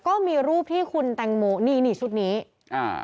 ก็มีรูปที่คุณแตงโมนี่นี่ชุดนี้อ่า